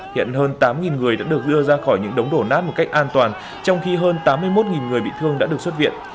hiện hơn tám người đã được đưa ra khỏi những đống đổ nát một cách an toàn trong khi hơn tám mươi một người bị thương đã được xuất viện